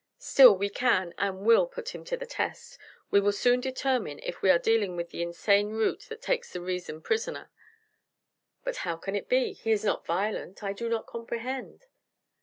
Still, we can, and will put him to the test; we will soon determine if we are dealing with the 'insane root that takes the reason prisoner.'" "But how can it be? He is not violent. I do not comprehend."